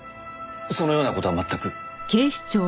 そのような事は全く。